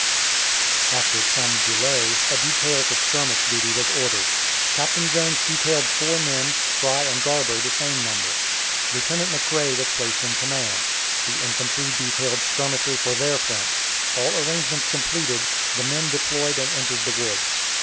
After some delay, a detail for skirmish duty was ordered. Captain Jones detailed four men, Fry and Garber the same number. Lieutenant McRae was placed in command. The infantry detailed skirmishers for their front. All arrangements completed, the men deployed and entered the woods.